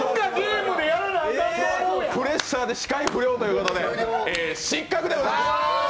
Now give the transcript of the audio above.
プレッシャーで視界不良ということで失格でございます。